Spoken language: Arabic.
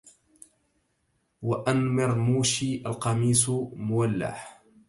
وأنمر موشي القميص مولع